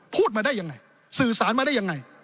พูดมาได้ยังไงสื่อสารมาได้ยังไง